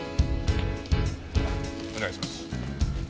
お願いします。